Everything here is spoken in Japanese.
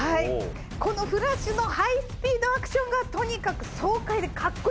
このフラッシュのハイスピードアクションがとにかく爽快でカッコいいんですよね。